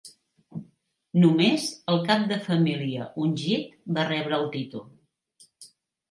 Només el cap de família ungit va rebre el títol.